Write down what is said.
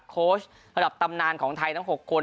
โค้ชระดับตำนานของไทยทั้ง๖คน